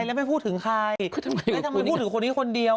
แล้วไม่พูดถึงใครแล้วทำไมพูดถึงคนนี้คนเดียว